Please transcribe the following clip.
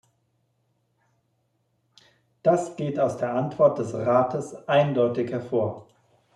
Das geht aus der Antwort des Rates eindeutig hervor.